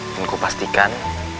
dan ku pastikan